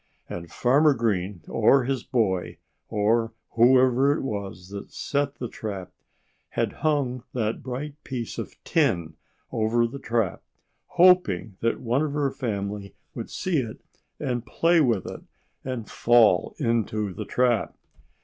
And Farmer Green, or his boy, or whoever it was that set the trap, had hung that bright piece of TIN over the trap hoping that one of her family would see it and play with it and fall into the trap.